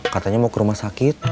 katanya mau ke rumah sakit